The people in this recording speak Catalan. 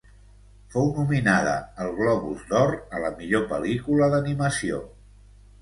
Fou nominada al Globus d'Or a la millor pel·lícula d'animació.